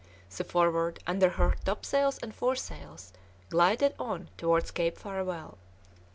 The Forward, under her topsails and foresails, glided on towards Cape Farewell.